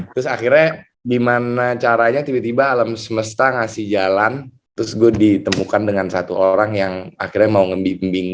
terus akhirnya gimana caranya tiba tiba alam semesta ngasih jalan terus gue ditemukan dengan satu orang yang akhirnya mau ngembing